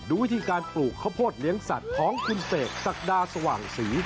วิธีการปลูกข้าวโพดเลี้ยงสัตว์ของคุณเสกศักดาสว่างศรี